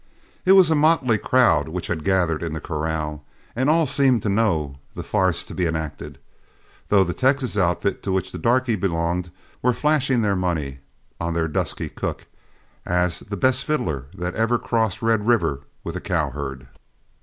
It was a motley crowd which had gathered in the corral, and all seemed to know of the farce to be enacted, though the Texas outfit to which the darky belonged were flashing their money on their dusky cook, "as the best fiddler that ever crossed Red River with a cow herd."